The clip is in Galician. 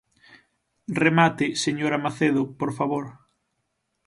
Remate, señora Macedo, por favor.